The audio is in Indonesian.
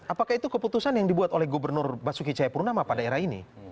apakah itu keputusan yang dibuat oleh gubernur basuki cahayapurnama pada era ini